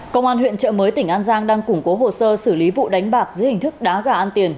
công an huyện trợ mới tỉnh an giang đang củng cố hồ sơ xử lý vụ đánh bạc dưới hình thức đá gà ăn tiền